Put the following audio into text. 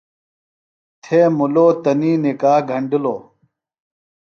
تھے مُلو تنی نِکاح گھنڈِلوۡ۔